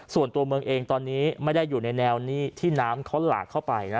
ส่วนตัวเมืองเองตอนนี้ไม่ได้อยู่ในแนวนี้ที่น้ำเขาหลากเข้าไปนะ